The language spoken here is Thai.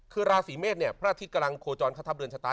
คือราศีเมษเนี่ยพระอาทิตย์กำลังโคจรเข้าทัพเรือนชะตา